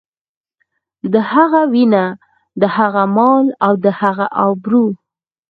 د هغه وينه، د هغه مال او د هغه ابرو.